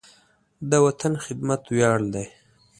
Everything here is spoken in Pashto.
د وطن خدمت ویاړ دی.